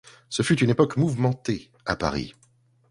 Ce fut une époque mouvementée à Paris.